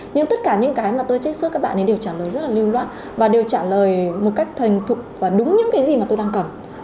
nhưng tất cả những cái mà tôi trích xuất các bạn ấy đều trả lời rất là lưu loát và đều trả lời một cách thành thục và đúng những cái gì mà tôi đang cần